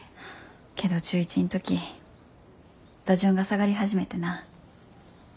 けど中１ん時打順が下がり始めてなぁ。